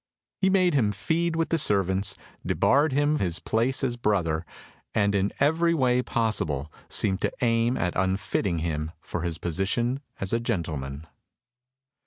He made him feed with the servants, debarred him his place as brother, and in every way possible seemed to aim at unfitting him for his position as a gentleman.